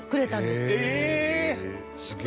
すげえ。